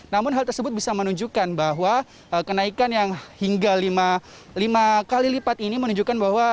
namun hal tersebut bisa menunjukkan bahwa kenaikan yang hingga lima kali lipat ini menunjukkan bahwa